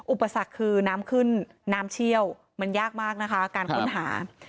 อุปสรรคคือน้ำขึ้นน้ำเชี่ยวมันยากมากนะคะการค้นหา